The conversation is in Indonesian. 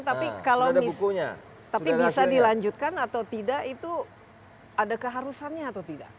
tapi bisa dilanjutkan atau tidak itu ada keharusannya atau tidak